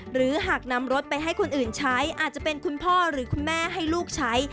หรือหากนำรถไปให้คนอื่นใช้อาจจะเป็นคุณพ่อหรือคุณแม่ให้ลูกใช้